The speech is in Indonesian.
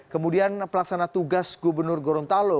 kemudian pelaksana tugas gubernur gorontalo